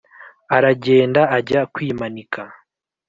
aragenda ajya kwimanika